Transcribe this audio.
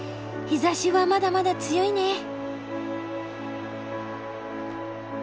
日ざしはまだまだ強いね。